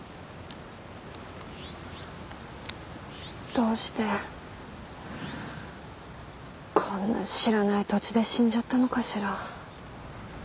どうしてこんな知らない土地で死んじゃったのかしら？